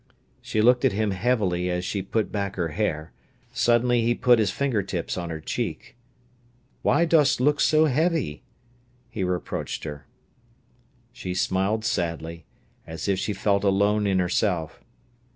She looked at him heavily as she put back her hair. Suddenly he put his finger tips on her cheek. "Why dost look so heavy?" he reproached her. She smiled sadly, as if she felt alone in herself.